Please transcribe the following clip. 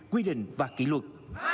quy định và kỷ luật